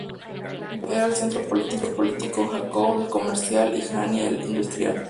Wuchang era el centro político, Hankou el comercial, y Hanyang el industrial.